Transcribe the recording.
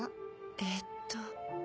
えっと。